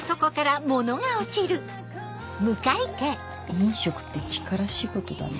飲食って力仕事だね。